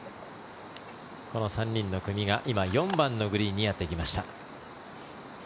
この３人の組が今、４番のグリーンにやってきました。